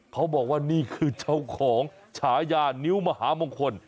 เขาบอกว่านี่คือเจ้าของฉายานิ้วมหามงคล